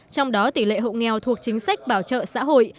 trong đó tỷ lệ hộ nghèo thuộc chính sách bảo trợ xã hội